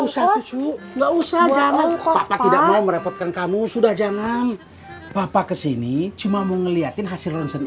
sampai jumpa di video selanjutnya